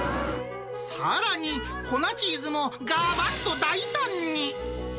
さらに、粉チーズもがばっと大胆に。